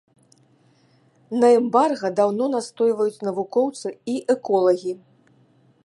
На эмбарга даўно настойваюць навукоўцы і эколагі.